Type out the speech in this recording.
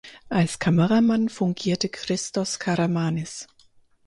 Als Kameramann fungierte Christos Karamanis.